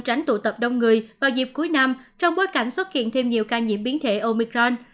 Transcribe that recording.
tránh tụ tập đông người vào dịp cuối năm trong bối cảnh xuất hiện thêm nhiều ca nhiễm biến thể omicron